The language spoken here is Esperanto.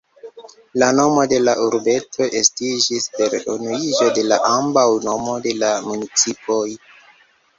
La nomo de la urbeto estiĝis per unuiĝo de ambaŭ nomoj de la municipoj.